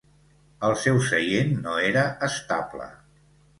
El seu seient no era estable.